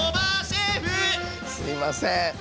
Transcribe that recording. すいません。